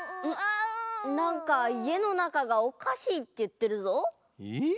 なんかいえのなかがおかしいっていってるぞ。え？